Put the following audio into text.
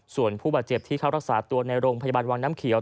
ส่วนผู้บาดเจ็บที่เขารักษาตัวในโรงพยาบาลวังน้ำเขียว